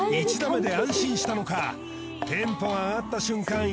１打目で安心したのかテンポが上がった瞬間